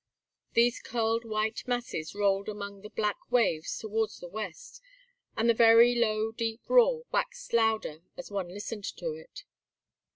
These curled white masses rolled among the black waves towards the west, and the low deep roar waxed louder as one listened to it.